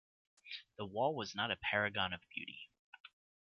The wall was not a paragon of beauty.